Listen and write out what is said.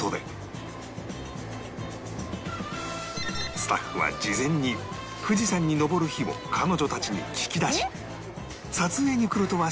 スタッフは事前に富士山に登る日を彼女たちに聞き出し撮影に来るとは知らせず５合目で待ち構えていた